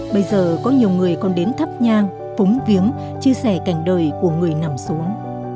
bây giờ có nhiều người còn đến thắp nhang phúng viếng chia sẻ cảnh đời của người nằm xuống